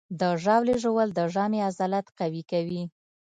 د ژاولې ژوول د ژامې عضلات قوي کوي.